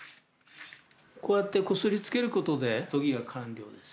こうやってこすりつけることで研ぎが完了です。